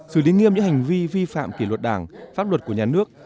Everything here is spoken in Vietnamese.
xử lý nghiêm những hành vi vi phạm kỷ luật đảng pháp luật của nhà nước